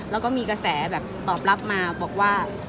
แล้วก็มีกระแสแบบตอบรับมาบอกว่า